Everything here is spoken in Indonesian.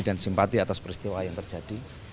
dan simpati atas peristiwa yang terjadi